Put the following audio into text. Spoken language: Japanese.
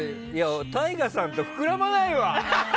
ＴＡＩＧＡさんとは膨らまないわ！